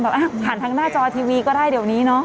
ผ่านทางหน้าจอทีวีก็ได้เดี๋ยวนี้เนาะ